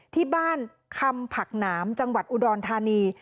ที่บ้านคำผักหนามจังหวัดอุดรธานี